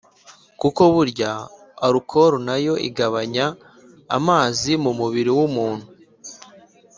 kuko burya arukoro nayo igabanya amazi mu mubiri w’umuntu.